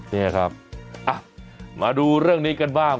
นี่ครับมาดูเรื่องนี้กันบ้าง